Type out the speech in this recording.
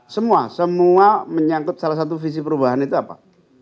semua semua menyangkut salah satu visi perubahan itu apa